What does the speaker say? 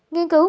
nghiên cứu mới